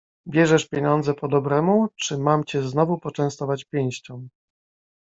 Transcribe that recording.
Bierzesz pieniądze po dobremu czy mam cię znowu poczęstować pięścią?